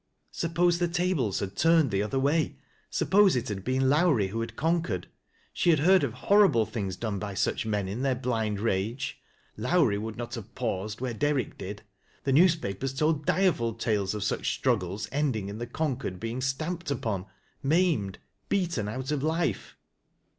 Suppose the tables had turned the other way. Suppose it had been Lowrie who had conquered. She had heard of horrible things done by such men in their blind rage. Lowrie would not have paused where Derrick did. The news papers told direful tales of such struggles ending in the conquered being stamped upon, maimed, beaten out of life.